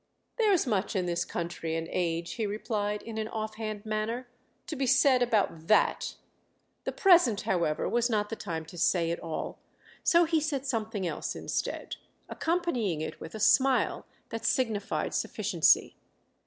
"There's much in this country and age," he replied in an off hand manner, "to be said about that," The present, however, was not the time to say it all; so he said something else instead, accompanying it with a smile that signified sufficiency.